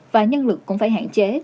và nhân lực cũng phải hạn chế